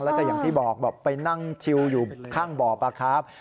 แล้วก็อย่างที่บอกบอกไปนั่งชิวอยู่ข้างบ่อป่ะครับ